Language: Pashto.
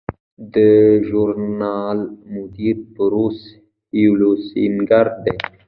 د ژورنال مدیر بروس هولسینګر دی.